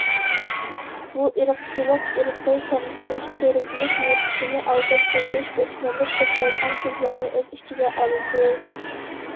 بۇ ئىرقچىلىق، ئىرقىي كەمسىتىش، چېرىكلىك، نوپۇسنى ئالداپ سېتىش، ئۆچمەنلىك قوزغايدىغان سۆزلەرنى ئۆز ئىچىگە ئالىدۇ.